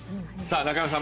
中山さん